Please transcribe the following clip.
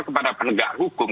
kepada penegak hukum